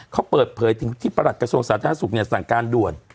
เขาเปิดเผยถึงที่ประหลัดกระทรวงสาธารณสุขเนี่ยสั่งการด่วน